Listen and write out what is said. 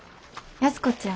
安子ちゃん。